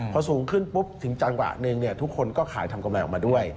พอสูงขึ้นปุ๊บถึงจังหวะหนึ่งทุกคนก็ขายทำกำไรออกมาด้วย